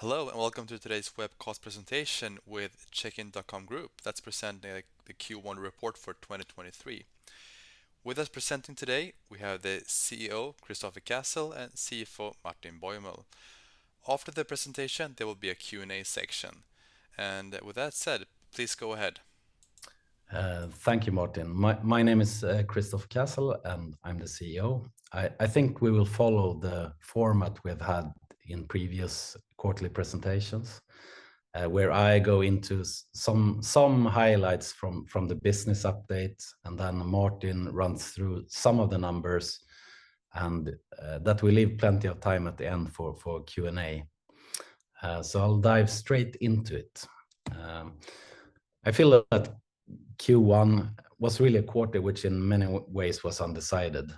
Hello, welcome to today's webcast presentation with Checkin.com Group that's presenting the Q1 report for 2023. With us presenting today, we have the CEO, Kristoffer Cassel, and CFO, Martin Bäuml. After the presentation, there will be a Q&A section. With that said, please go ahead. Thank you, Martin. My name is Kristoffer Cassel, and I'm the CEO. I think we will follow the format we've had in previous quarterly presentations, where I go into some highlights from the business updates, and then Martin runs through some of the numbers, and that we leave plenty of time at the end for Q&A. So I'll dive straight into it. I feel that Q1 was really a quarter which in many ways was undecided.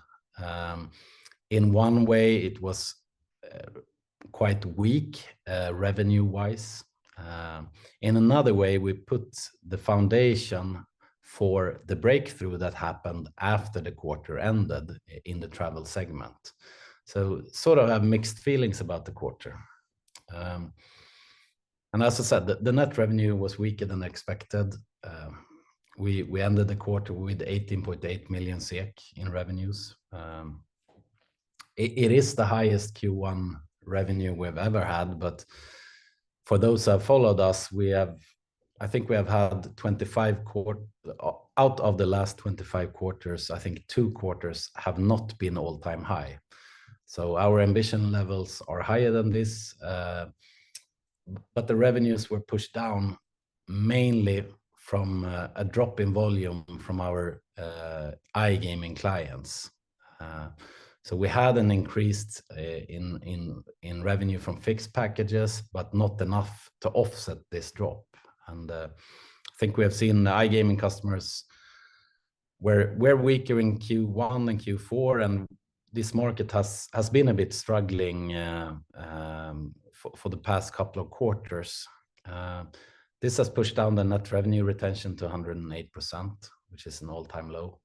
In one way, it was quite weak, revenue-wise. In another way, we put the foundation for the breakthrough that happened after the quarter ended in the travel segment. Sort of have mixed feelings about the quarter. As I said, the net revenue was weaker than expected. We ended the quarter with 18.8 million SEK in revenues. It is the highest Q1 revenue we've ever had, but for those that followed us, I think we have had 25 quarters out of the last 25 quarters, I think two quarters have not been all-time high. Our ambition levels are higher than this, but the revenues were pushed down mainly from a drop in volume from our iGaming clients. We had an increase in revenue from fixed packages, but not enough to offset this drop. I think we have seen the iGaming customers were weaker in Q1 than Q4, and this market has been a bit struggling for the past couple of quarters. This has pushed down the Net Revenue Retention to 108%, which is an all-time low.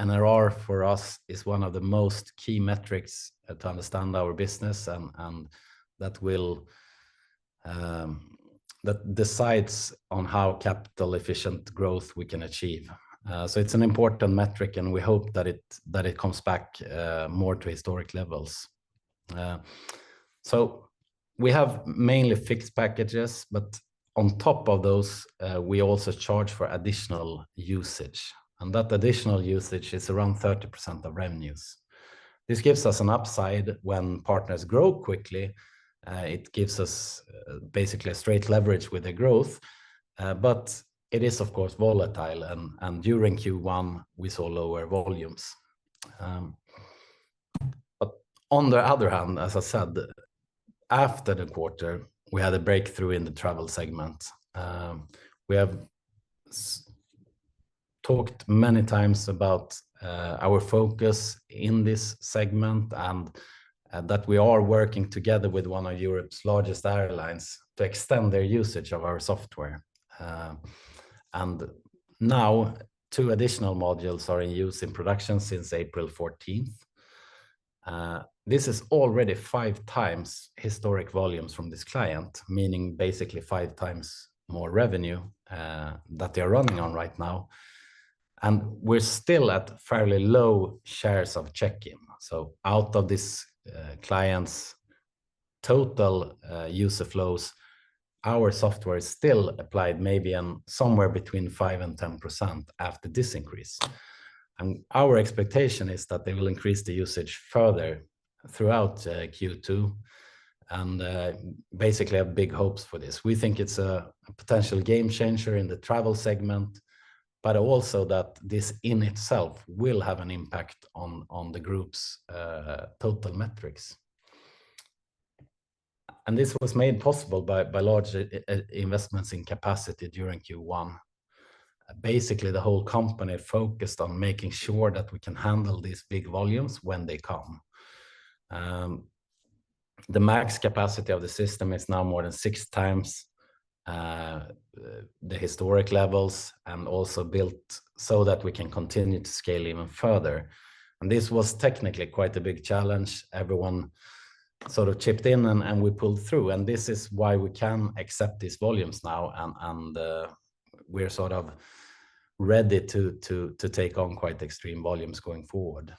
NRR for us is one of the most key metrics to understand our business and that will that decides on how capital-efficient growth we can achieve. It's an important metric, and we hope that it, that it comes back more to historic levels. We have mainly fixed packages, but on top of those, we also charge for additional usage, and that additional usage is around 30% of revenues. This gives us an upside when partners grow quickly. It gives us basically a straight leverage with the growth, but it is of course volatile and during Q1, we saw lower volumes. On the other hand, as I said, after the quarter, we had a breakthrough in the travel segment. We have talked many times about our focus in this segment and that we are working together with one of Europe's largest airlines to extend their usage of our software. Now two additional modules are in use in production since April 14th. This is already 5x historic volumes from this client, meaning basically 5x more revenue that they are running on right now, and we're still at fairly low shares of check-in. Out of this client's total user flows, our software is still applied maybe on somewhere between 5%-10% after this increase. Our expectation is that they will increase the usage further throughout Q2, and basically have big hopes for this. We think it's a potential game changer in the travel segment, but also that this in itself will have an impact on the group's total metrics. This was made possible by large investments in capacity during Q1. Basically, the whole company focused on making sure that we can handle these big volumes when they come. The max capacity of the system is now more than six times the historic levels and also built so that we can continue to scale even further. This was technically quite a big challenge. Everyone sort of chipped in and we pulled through, and this is why we can accept these volumes now and we're sort of ready to take on quite extreme volumes going forward.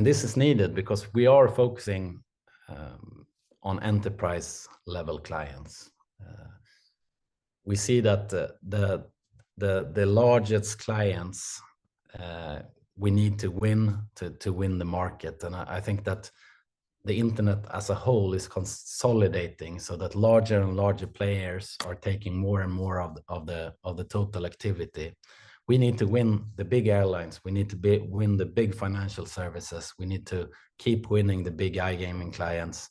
This is needed because we are focusing on enterprise-level clients. We see that the largest clients we need to win to win the market. I think that the internet as a whole is consolidating so that larger and larger players are taking more and more of the total activity. We need to win the big airlines. We need to win the big financial services. We need to keep winning the big iGaming clients.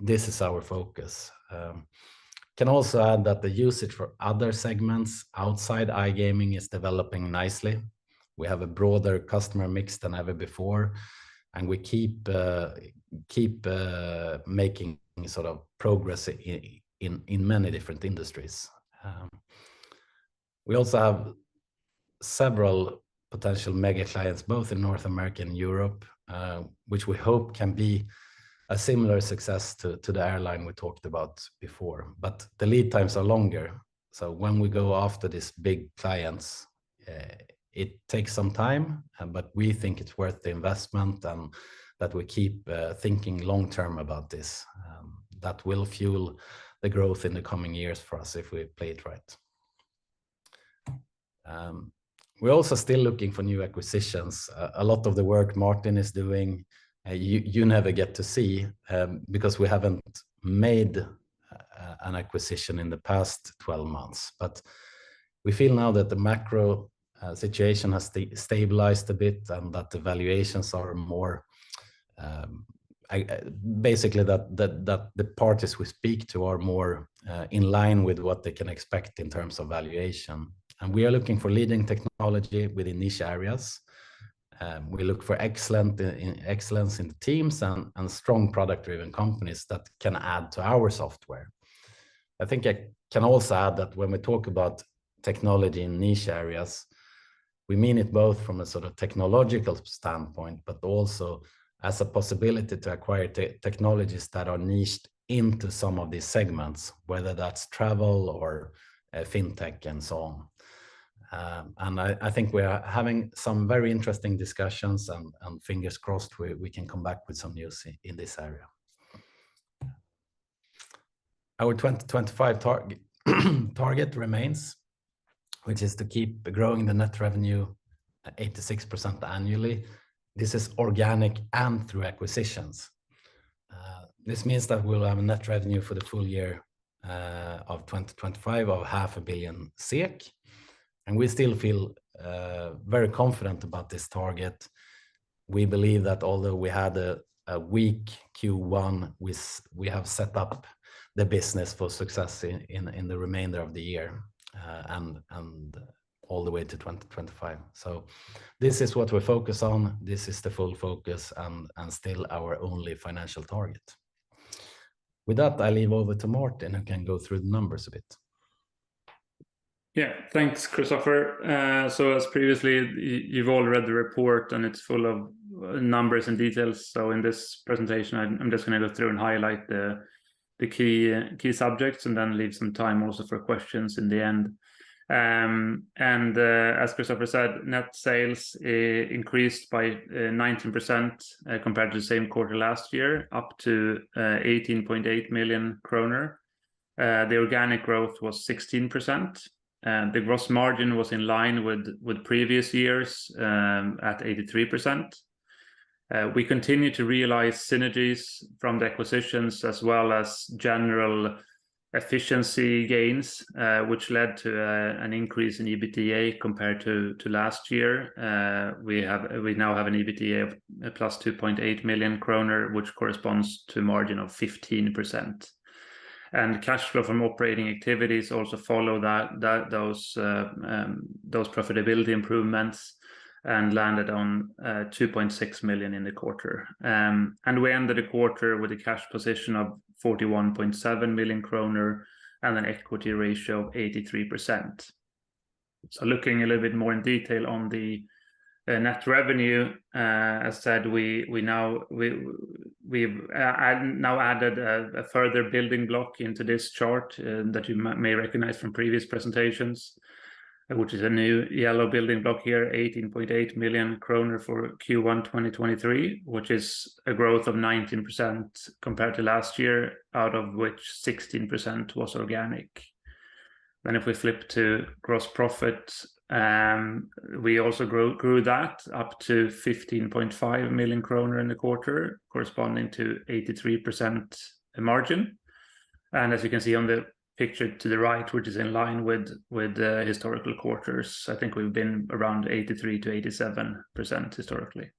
This is our focus. Can also add that the usage for other segments outside iGaming is developing nicely. We have a broader customer mix than ever before, and we keep making sort of progress in many different industries. We also have several potential mega clients both in North America and Europe, which we hope can be a similar success to the airline we talked about before. The lead times are longer. When we go after these big clients, it takes some time, but we think it's worth the investment and that we keep thinking long term about this, that will fuel the growth in the coming years for us if we play it right. We're also still looking for new acquisitions. A lot of the work Martin is doing, you never get to see, because we haven't made an acquisition in the past 12 months. We feel now that the macro situation has stabilized a bit and that the valuations are more, basically that the parties we speak to are more in line with what they can expect in terms of valuation. We are looking for leading technology within niche areas. We look for excellent in excellence in the teams and strong product-driven companies that can add to our software. I think I can also add that when we talk about technology in niche areas, we mean it both from a sort of technological standpoint, but also as a possibility to acquire technologies that are niched into some of these segments, whether that's travel or fintech and so on. I think we are having some very interesting discussions and fingers crossed we can come back with some news in this area. Our 2025 target remains, which is to keep growing the net revenue at 86% annually. This is organic and through acquisitions. This means that we'll have a net revenue for the full year of 2025 of half a billion SEK. We still feel very confident about this target. We believe that although we had a weak Q1, we have set up the business for success in the remainder of the year, and all the way to 2025. This is what we focus on. This is the full focus and still our only financial target. I leave over to Martin, who can go through the numbers a bit. Yeah. Thanks, Kristoffer. As previously, you've all read the report, and it's full of numbers and details. In this presentation, I'm just gonna go through and highlight the key subjects and then leave some time also for questions in the end. As Kristoffer said, net sales increased by 19% compared to the same quarter last year, up to 18.8 million kronor. The organic growth was 16%. The gross margin was in line with previous years, at 83%. We continue to realize synergies from the acquisitions as well as general efficiency gains, which led to an increase in EBITDA compared to last year. We now have an EBITDA of plus 2.8 million kronor, which corresponds to a margin of 15%. Cash flow from operating activities also follow that, those profitability improvements and landed on 2.6 million SEK in the quarter. We ended the quarter with a cash position of 41.7 million kronor and an equity ratio of 83%. Looking a little bit more in detail on the net revenue, as said, we now added a further building block into this chart that you may recognize from previous presentations, which is a new yellow building block here, 18.8 million kronor for Q1 2023, which is a growth of 19% compared to last year, out of which 16% was organic. If we flip to gross profit, we also grew that up to 15.5 million krona in the quarter, corresponding to 83% margin. As you can see on the picture to the right, which is in line with the historical quarters, I think we've been around 83%-87% historically.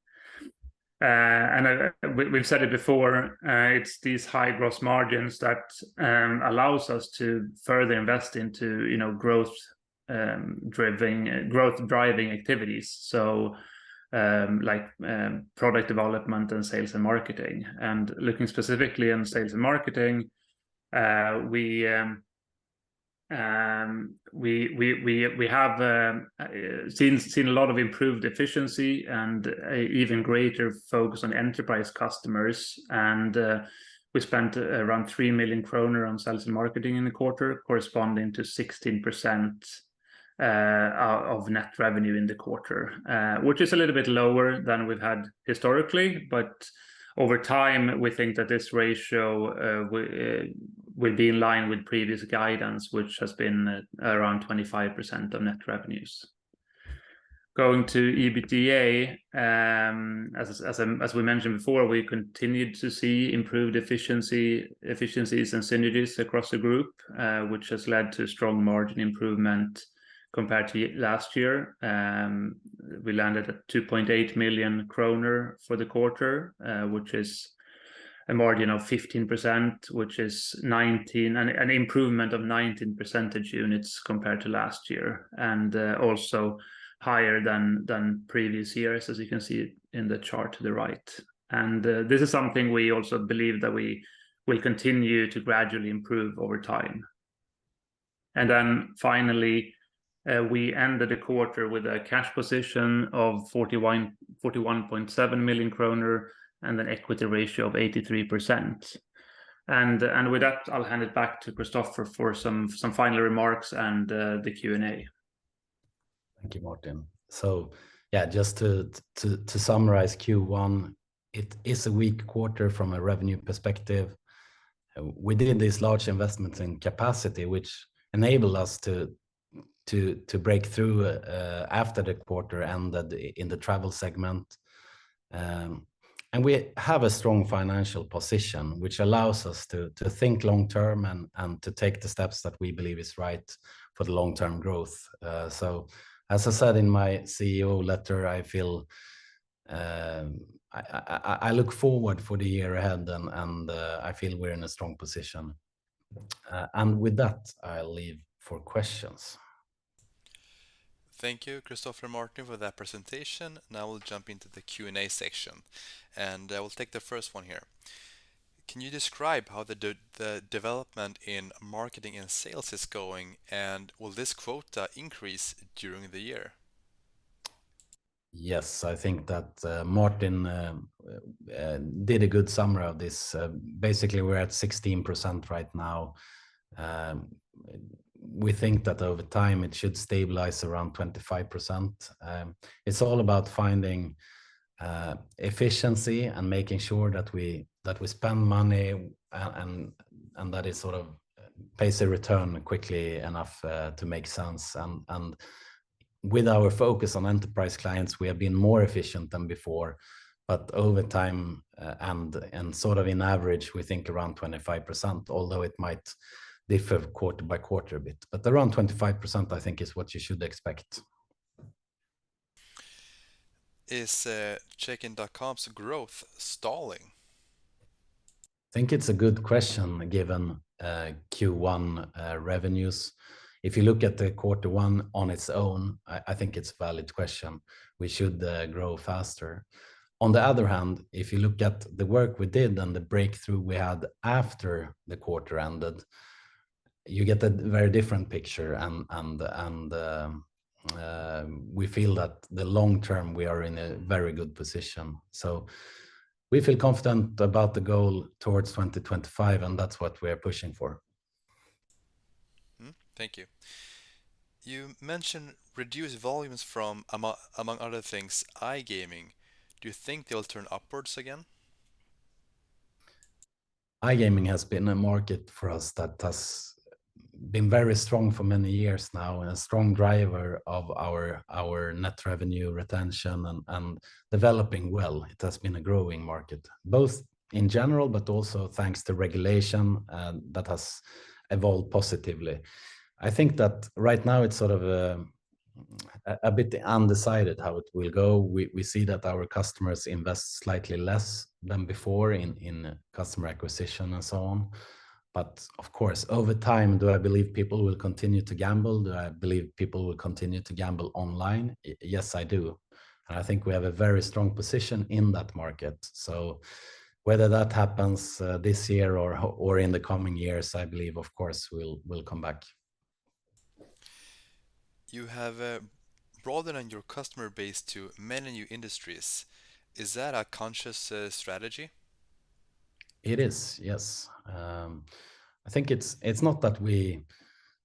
We've said it before, it's these high gross margins that allows us to further invest into, you know, growth-driving activities, like product development and sales and marketing. Looking specifically in sales and marketing, we have seen a lot of improved efficiency and a even greater focus on enterprise customers. We spent around SEK 3 million on sales and marketing in the quarter, corresponding to 16% of net revenue in the quarter, which is a little bit lower than we've had historically. Over time, we think that this ratio will be in line with previous guidance, which has been around 25% of net revenues. Going to EBITDA, as we mentioned before, we continued to see improved efficiency, efficiencies and synergies across the group, which has led to strong margin improvement compared to last year. We landed at 2.8 million kronor for the quarter, which is a margin of 15%, which is an improvement of 19 percentage units compared to last year, also higher than previous years, as you can see in the chart to the right. This is something we also believe that we will continue to gradually improve over time. Finally, we ended the quarter with a cash position of 41.7 million kronor and an equity ratio of 83%. With that, I'll hand it back to Kristoffer for some final remarks and the Q&A. Thank you, Martin. yeah, just to summarize Q1, it is a weak quarter from a revenue perspective. We did these large investments in capacity, which enable us to break through after the quarter ended in the travel segment. We have a strong financial position, which allows us to think long term and to take the steps that we believe is right for the long-term growth. as I said in my CEO letter, I feel I look forward for the year ahead and I feel we're in a strong position. With that, I'll leave for questions. Thank you, Kristoffer and Martin, for that presentation. Now we'll jump into the Q&A section, and I will take the first one here. Can you describe how the development in marketing and sales is going, and will this quota increase during the year? Yes. I think that Martin did a good summary of this. Basically, we're at 16% right now. We think that over time it should stabilize around 25%. It's all about finding efficiency and making sure that we spend money and that it sort of pays a return quickly enough to make sense. With our focus on enterprise clients, we have been more efficient than before. Over time, and sort of in average, we think around 25%, although it might differ quarter by quarter a bit. Around 25%, I think is what you should expect. Is Checkin.com's growth stalling? I think it's a good question given Q1 revenues. If you look at the quarter one on its own, I think it's a valid question. We should grow faster. On the other hand, if you look at the work we did and the breakthrough we had after the quarter ended, you get a very different picture. We feel that the long term, we are in a very good position. We feel confident about the goal towards 2025. That's what we are pushing for. Mm-hmm. Thank you. You mentioned reduced volumes from among other things, iGaming. Do you think they'll turn upwards again? iGaming has been a market for us that has been very strong for many years now and a strong driver of our Net Revenue Retention and developing well. It has been a growing market, both in general, but also thanks to regulation that has evolved positively. I think that right now it's sort of a bit undecided how it will go. We see that our customers invest slightly less than before in customer acquisition and so on. Of course, over time, do I believe people will continue to gamble? Do I believe people will continue to gamble online? Yes, I do. I think we have a very strong position in that market. Whether that happens this year or in the coming years, I believe, of course, we'll come back. You have broadened your customer base to many new industries. Is that a conscious strategy? It is, yes. I think it's not that we,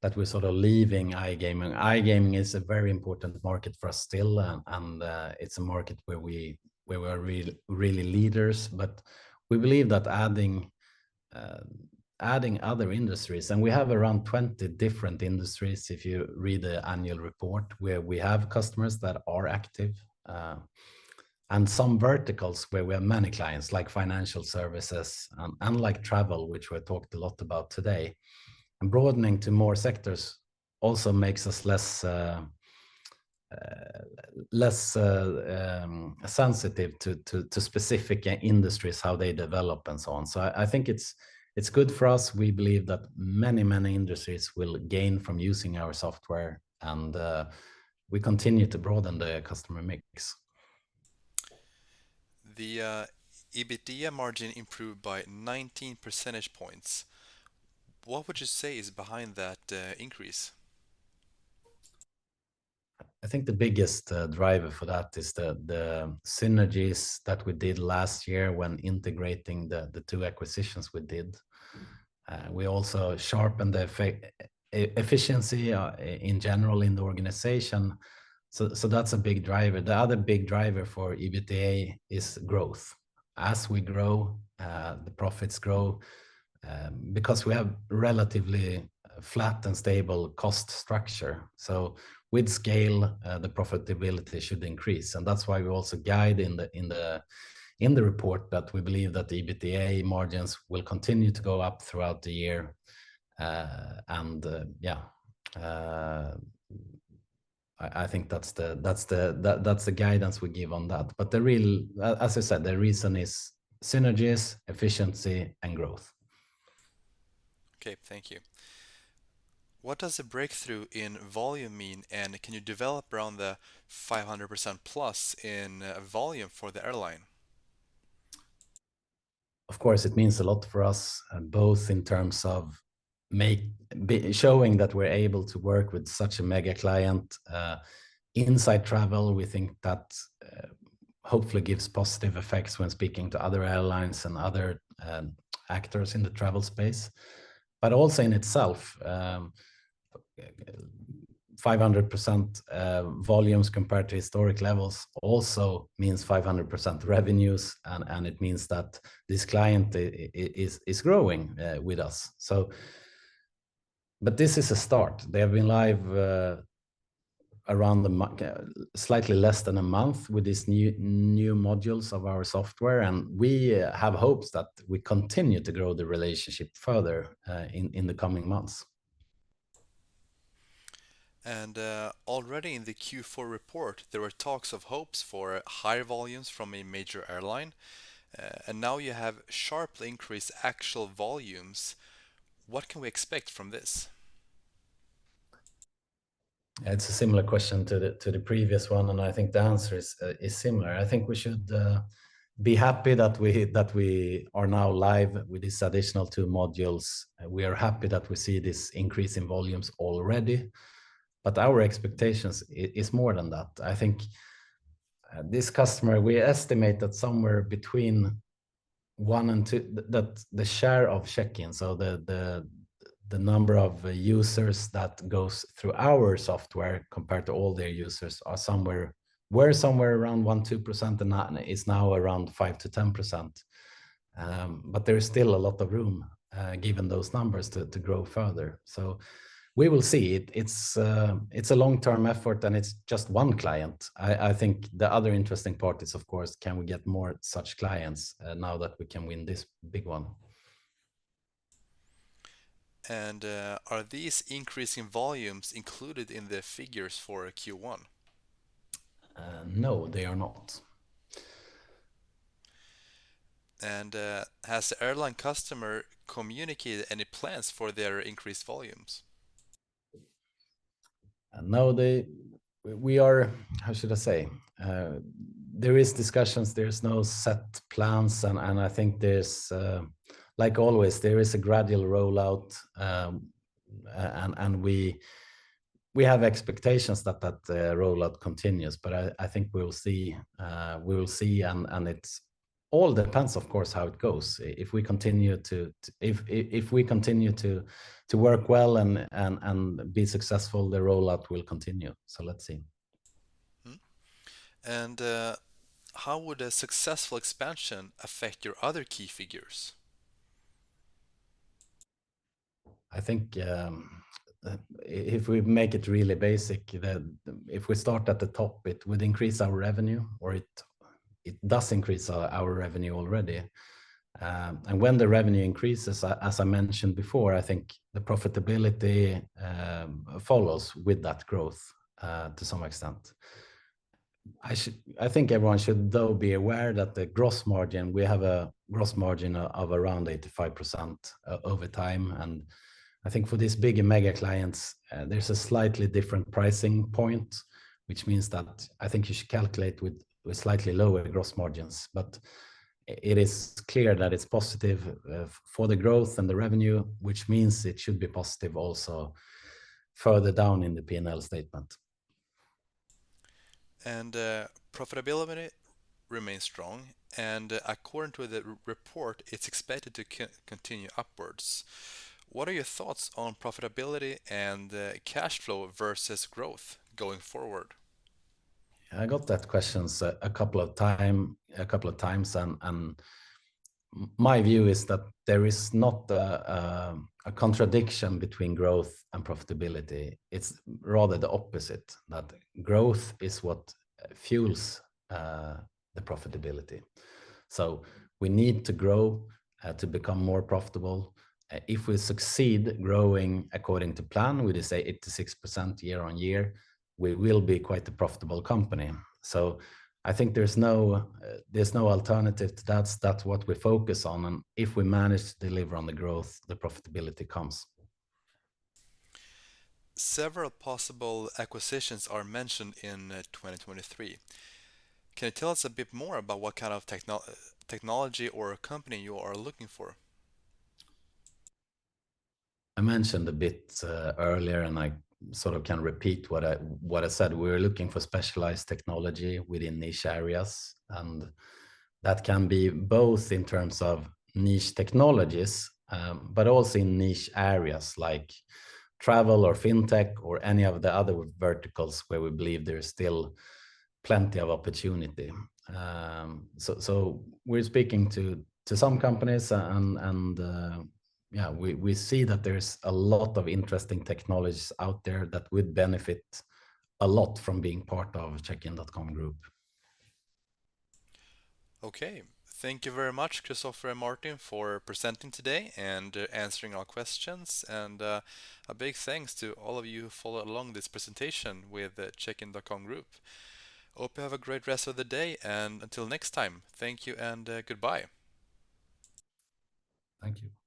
that we're sort of leaving iGaming. iGaming is a very important market for us still, and it's a market where we, where we are really leaders. We believe that adding adding other industries, and we have around 20 different industries, if you read the annual report, where we have customers that are active, and some verticals where we have many clients, like financial services, and like travel, which we talked a lot about today. Broadening to more sectors also makes us less less sensitive to specific industries, how they develop and so on. I think it's good for us. We believe that many, many industries will gain from using our software. We continue to broaden the customer mix. The EBITDA margin improved by 19 percentage points. What would you say is behind that increase? I think the biggest driver for that is the synergies that we did last year when integrating the two acquisitions we did. We also sharpened the efficiency in general in the organization. That's a big driver. The other big driver for EBITDA is growth. As we grow, the profits grow because we have relatively flat and stable cost structure. With scale, the profitability should increase, and that's why we also guide in the report that we believe that the EBITDA margins will continue to go up throughout the year. Yeah. I think that's the guidance we give on that. As I said, the reason is synergies, efficiency, and growth. Okay. Thank you. What does a breakthrough in volume mean? Can you develop around the 500% plus in volume for the airline? Of course, it means a lot for us, both in terms of showing that we're able to work with such a mega client. Inside travel, we think that hopefully gives positive effects when speaking to other airlines and other actors in the travel space. Also in itself, 500% volumes compared to historic levels also means 500% revenues and it means that this client is growing with us. This is a start. They have been live around a month, slightly less than a month with these new modules of our software, and we have hopes that we continue to grow the relationship further in the coming months. Already in the Q4 report, there were talks of hopes for higher volumes from a major airline, and now you have sharply increased actual volumes. What can we expect from this? It's a similar question to the previous one. I think the answer is similar. I think we should be happy that we are now live with these additional two modules. We are happy that we see this increase in volumes already. Our expectations is more than that. I think this customer, we estimate that somewhere between one and two. That the share of Checkin.com, so the number of users that goes through our software compared to all their users were somewhere around 1%-2% and now, is now around 5%-10%. There is still a lot of room, given those numbers, to grow further. We will see. It's a long-term effort. It's just 1 client. I think the other interesting part is, of course, can we get more such clients, now that we can win this big one? Are these increasing volumes included in the figures for Q1? No, they are not. Has the airline customer communicated any plans for their increased volumes? We are. How should I say? There is discussions. There is no set plans, and I think there's Like always, there is a gradual rollout, and we have expectations that rollout continues. I think we will see. We will see and it all depends, of course, how it goes. If we continue to work well and be successful, the rollout will continue, let's see. Mm-hmm. How would a successful expansion affect your other key figures? I think, if we make it really basic, if we start at the top, it would increase our revenue, or it does increase our revenue already. When the revenue increases, as I mentioned before, I think the profitability follows with that growth to some extent. I think everyone should, though, be aware that the gross margin, we have a gross margin of around 85% over time, and I think for these big mega clients, there's a slightly different pricing point, which means that I think you should calculate with slightly lower gross margins. It is clear that it's positive for the growth and the revenue, which means it should be positive also further down in the P&L statement. Profitability remains strong, and according to the report, it's expected to continue upwards. What are your thoughts on profitability and cash flow versus growth going forward? I got that question a couple of times, My view is that there is not a contradiction between growth and profitability. It's rather the opposite, that growth is what fuels the profitability. We need to grow to become more profitable. If we succeed growing according to plan, we just say it is 6% year-over-year, we will be quite a profitable company. I think there's no alternative to that. That's what we focus on, and if we manage to deliver on the growth, the profitability comes. Several possible acquisitions are mentioned in 2023. Can you tell us a bit more about what kind of technology or company you are looking for? I mentioned a bit earlier, I sort of can repeat what I said. We're looking for specialized technology within niche areas. That can be both in terms of niche technologies, but also in niche areas like travel or fintech or any of the other verticals where we believe there is still plenty of opportunity. We're speaking to some companies and, yeah, we see that there's a lot of interesting technologies out there that would benefit a lot from being part of Checkin.com Group. Okay. Thank you very much, Kristoffer and Martin, for presenting today and answering our questions. A big thanks to all of you who followed along this presentation with the Checkin.com Group. Hope you have a great rest of the day, and until next time, thank you and goodbye. Thank you.